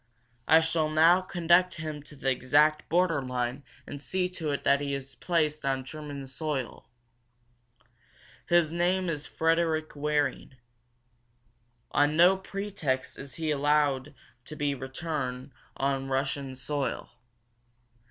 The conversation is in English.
I shall now conduct him to the exact border line and see to it that he is placed on German soil. His name is Frederick Waring. On no pretext is he to be allowed to return to Russian soil.